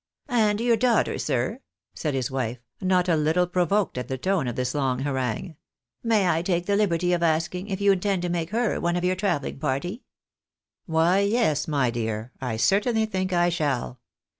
" And your daughter, sir ?" said his wife, not a little provoked at the tone of this long harangue ;" may I take the liberty of asking if you intend to make her one of your travelling party ?"" Why, yes, my dear, I certainly think I shall.